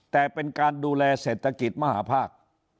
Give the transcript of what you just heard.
แต่เป็นการดูแลเศรษฐกิจมหาภาค